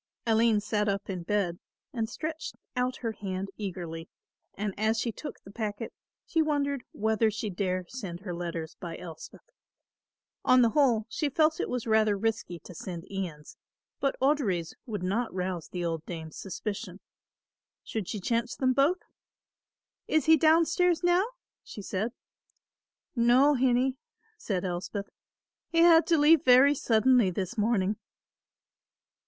Aline sat up in bed and stretched out her hand eagerly and as she took the packet she wondered whether she dare send her letters by Elspeth. On the whole she felt it was rather risky to send Ian's, but Audry's would not rouse the old dame's suspicion. Should she chance them both? "Is he downstairs now?" she said. "No, hinnie," said Elspeth, "he had to leave very suddenly this morning."